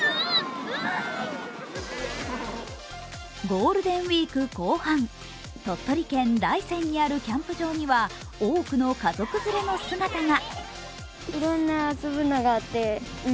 ゴールデンウイーク後半、鳥取県大山にあるキャンプ場には多くの家族連れの姿が。